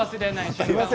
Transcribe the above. すみません